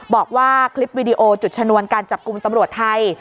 บอกว่าคลิปวีดีโอจุดชนวนการจับกลุ่มตำรวจไทย